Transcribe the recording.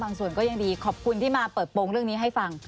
ส่วนก็ยังดีขอบคุณที่มาเปิดโปรงเรื่องนี้ให้ฟัง